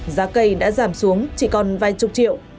giá cây đã giảm xuống chỉ còn vài chục triệu